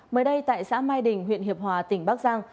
mới đây tại xã mai đình huyện hiệp hòa tỉnh bắc giang